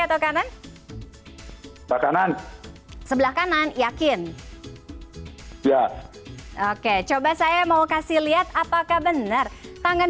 atau kanan sebelah kanan yakin ya oke coba saya mau kasih lihat apakah benar tangan